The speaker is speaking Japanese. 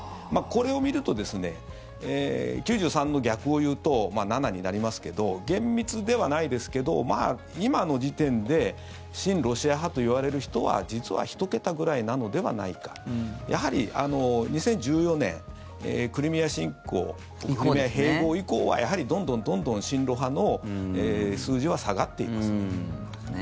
これを見ると、９３の逆を言うと７になりますけど厳密ではないですけど今の時点で親ロシア派といわれる人は実は１桁ぐらいなのではないか。やはり、２０１４年クリミア侵攻、クリミア併合以降やはり、どんどん親ロ派の数字は下がっていますね。